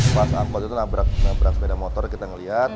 pas akor itu nabrak sepeda motor kita ngelihat